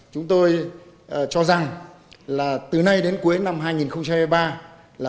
chúng tôi cho rằng từ nay đến cuối năm hai nghìn hai mươi ba